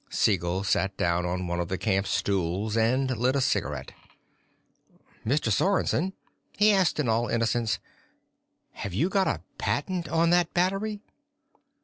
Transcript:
Siegel sat down on one of the camp stools and lit a cigarette. "Mr. Sorensen," he asked in all innocence, "have you got a patent on that battery?"